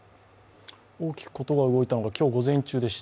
大きくことが動いたのは今日午前中でした。